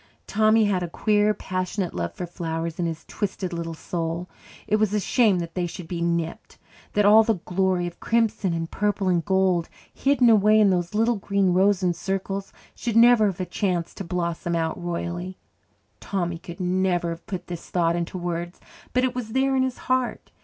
Tommy had a queer, passionate love for flowers in his twisted little soul. It was a shame that they should be nipped that all the glory of crimson and purple and gold hidden away in those little green rows and circles should never have a chance to blossom out royally. Tommy could never have put this thought into words, but it was there in his heart.